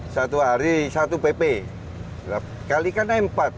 satu hari satu bp kalikan empat